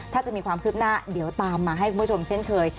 ถ้าจะมีความคืบหน้าเดี๋ยวตามมาให้คุณผู้ชมเช่นเคย